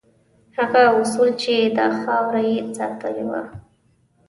هغه اصول چې دا خاوره یې ساتلې وه.